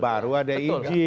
baru ada izin